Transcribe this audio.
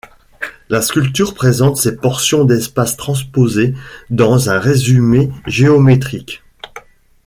La sculpture présente ces portions d'espace transposées dans un résumé géométrique.